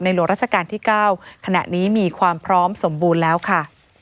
หลวงราชการที่๙ขณะนี้มีความพร้อมสมบูรณ์แล้วค่ะ